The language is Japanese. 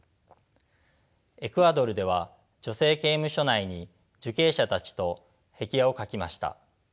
エクアドルでは女性刑務所内に受刑者たちと壁画を描きました。